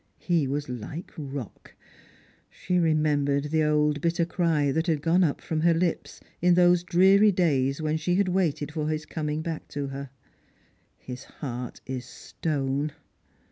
He was hke rock. She remembered the old bitter cry that had gone up from her lips in those dreary days when she had waited for his coming back to her —" His heart is stone